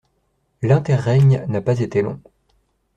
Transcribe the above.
L'interrègne n'a pas été long.